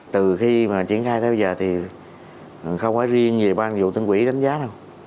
từ khi mà triển khai tới bây giờ thì không có riêng về ban vụ tân quỹ đánh giá đâu